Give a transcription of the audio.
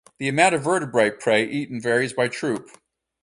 The amount of vertebrate prey eaten varies by troop.